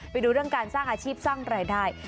ไปดูเรื่องการสร้างอาชีพสร้างรายได้